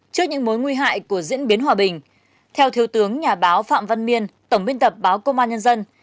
trước những mối nguy hại của diễn biến hòa bình theo thiếu tướng nhà báo phạm văn miên tổng biên tập báo công an nhân dân